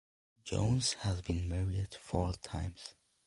Johns has been married four times.